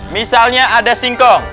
misalnya ada singkong